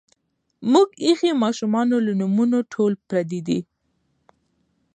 مونږ ایخي مـاشومـانو لـه نومـونه ټول پردي دي